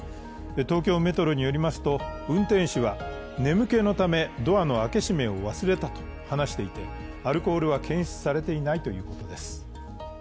東京メトロによりますと、運転士は眠気のため、ドアの開け閉めを忘れたと話していて、アルコールは検出されていないということです。